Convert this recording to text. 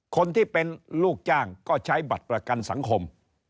คนที่เป็นลูกจ้างก็ใช้บัตรประกันสังคม